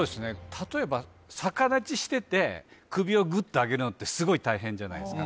例えば逆立ちしてて首をグッと上げるのってすごい大変じゃないですか